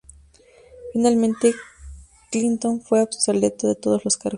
Finalmente Clinton fue absuelto de todos los cargos.